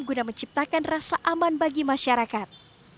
guna menciptakan rasa aman bagi masyarakat